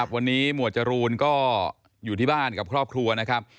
วันนี้หมวดจรูนก็อยู่ที่บ้านกับครอบครัวนะครับ